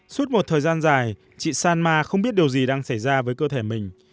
suốt một thời gian dài chị sanma không biết điều gì đang xảy ra với cơ thể mình